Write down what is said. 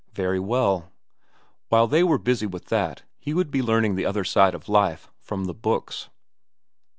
Very well. While they were busy with that, he could be learning the other side of life from the books.